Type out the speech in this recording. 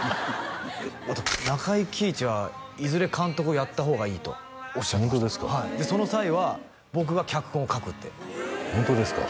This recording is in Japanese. あと中井貴一はいずれ監督をやった方がいいとおっしゃってましたでその際は僕が脚本を書くってホントですか？